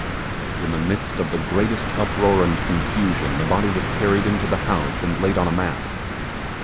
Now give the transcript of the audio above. In the midst of the greatest uproar and confusion the body was carried into the house and laid on a mat.